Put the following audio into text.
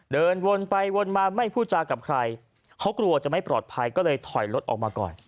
เดินวนไปวนมาไม่พูดจากับใครเขากลัวจะไม่ปลอดภัยก็เลยถอยรถออกมาก่อน